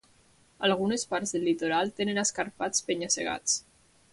Algunes parts del litoral tenen escarpats penya-segats.